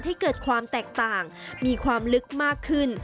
ให้เกิดความแตกต่างมีความลึกมากขึ้น